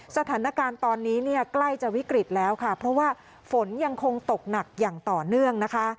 สถานการณ์ตอนนี้เนี่ยใกล้จะวิกฤตแล้วค่ะเพราะว่าฝนยังคงตกหนักอย่างต่อเนื่องนะคะ